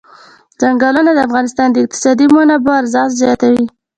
ځنګلونه د افغانستان د اقتصادي منابعو ارزښت زیاتوي.